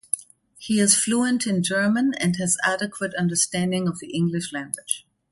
He is fluent in German and has adequate understanding of the English language.